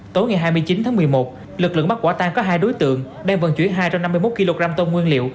tối ngày hai mươi chín tháng một mươi một lực lượng bắt quả tan có hai đối tượng đang vận chuyển hai trăm năm mươi một kg tôm nguyên liệu